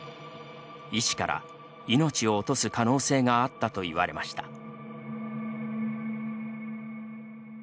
医師から「命を落とす可能性があった」と言われました。